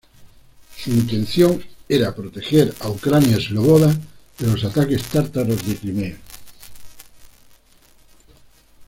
Su intención era proteger a Ucrania Sloboda de los ataques tártaros de Crimea.